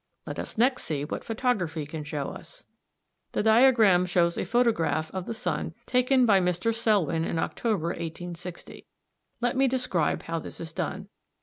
Let us next see what photography can show us. The diagram (Fig. 46) shows a photograph of the sun taken by Mr. Selwyn in October 1860. Let me describe how this is done.